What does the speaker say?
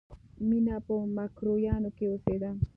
مینه په مکروریانو کې اوسېده